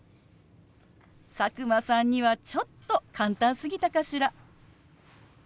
佐久間さんにはちょっと簡単すぎたかしら。